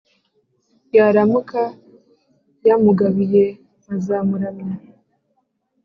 Yaramuka yamugabiye nkazamuramya.